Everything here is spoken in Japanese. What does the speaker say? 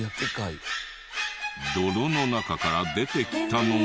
泥の中から出てきたのは。